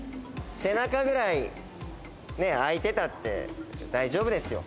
背中ぐらい開いてたって大丈夫ですよ。